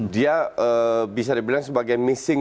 dia bisa dibilang sebagai missing